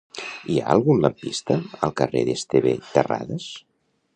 Hi ha algun lampista al carrer d'Esteve Terradas?